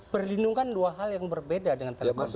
perlindungan dua hal yang berbeda dengan televisi